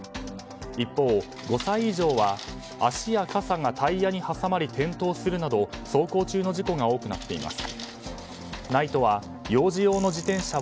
一方、５歳以上は足や傘がタイヤに挟まり転倒するなど走行中の事故が多くなっています。